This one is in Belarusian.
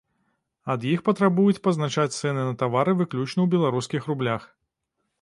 Ад іх патрабуюць пазначаць цэны на тавары выключна ў беларускіх рублях.